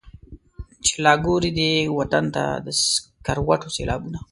چي لا ګوري دې وطن ته د سکروټو سېلابونه.